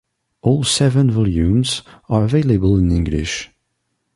All seven volumes are available in English.